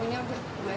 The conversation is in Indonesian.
maunya berdua semua